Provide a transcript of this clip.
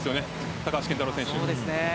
高橋健太郎選手。